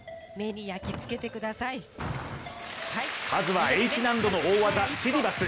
まずはＨ難度の大技、シリバス。